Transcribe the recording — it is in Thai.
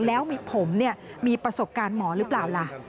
แล้วมีผมมีประสบการณ์หมอหรือเปล่าล่ะ